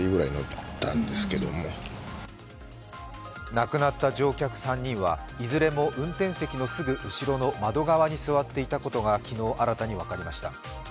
亡くなった乗客３人はいずれも運転席のすぐ後ろの窓側に座っていたことが昨日新たに分かりました。